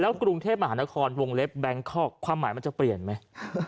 กรุงเทพมหานครวงเล็บแบงคอกความหมายมันจะเปลี่ยนไหม